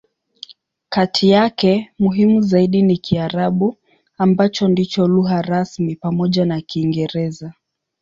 Kati yake, muhimu zaidi ni Kiarabu, ambacho ndicho lugha rasmi pamoja na Kiingereza.